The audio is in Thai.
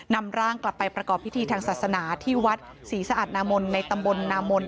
นำร่างกลับไปประกอบพิธีทางศาสนาที่วัดศรีสะอาดนามนในตำบลนามน